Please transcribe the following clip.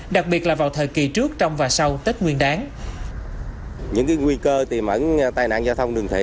đặc biệt là vào thời kỳ trước trong và sau tết nguyên đáng